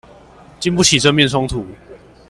禁不起正面衝突